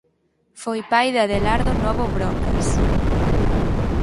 Foi pai de Adelardo Novo Brocas.